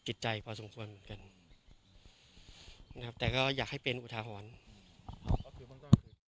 จิตใจพอสมควรเหมือนกันนะครับแต่ก็อยากให้เป็นอุทาหรณ์